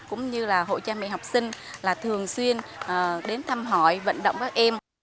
cũng như là hội cha mẹ học sinh là thường xuyên đến thăm hỏi vận động các em